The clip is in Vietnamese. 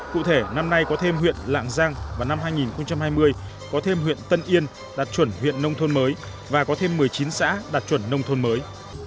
cụ thể năm nay có thêm huyện lạng giang vào năm hai nghìn hai mươi có thêm huyện tân yên đạt chuẩn huyện nông thôn mới và có thêm một mươi chín xã đạt chuẩn nông thôn mới